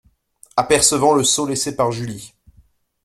Apercevant le seau laissé par Julie.